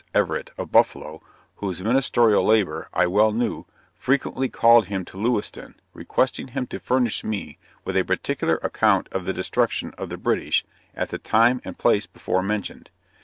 Everett, of Buffalo, whose ministerial labor, I well knew, frequently called him to Lewiston, requesting him to furnish me with a particular account of the destruction of the British, at the time and place before mentioned.